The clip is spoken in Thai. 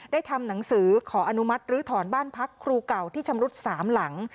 ทำหนังสือขออนุมัติลื้อถอนบ้านพักครูเก่าที่ชำรุด๓หลัง